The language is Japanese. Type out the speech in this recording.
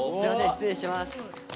失礼します。